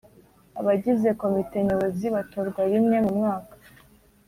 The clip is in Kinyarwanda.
Abagize Komite Nyobozi batorwa rimwe mu mwaka